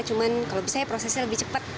cuma kalau misalnya prosesnya lebih cepat